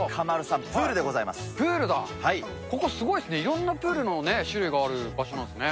プールだ、ここ、すごいっすね、いろんなプールの種類がある場所なんですね。